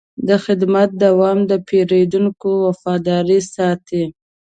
د خدمت دوام د پیرودونکو وفاداري ساتي.